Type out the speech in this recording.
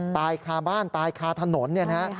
ตายคาบ้านตายคาถนนเนี่ยนะฮะ